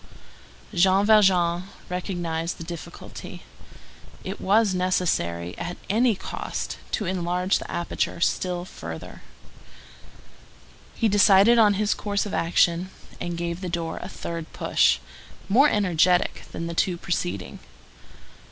Jean Valjean recognized the difficulty. It was necessary, at any cost, to enlarge the aperture still further. He decided on his course of action, and gave the door a third push, more energetic than the two preceding.